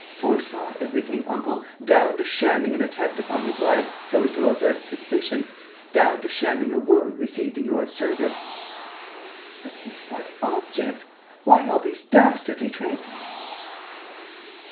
"Foresaw everything, uncle, down to shamming an attempt upon his life so as to avert suspicion, down to shamming a wound received in your service." "But with what object? Why all these dastardly tricks?"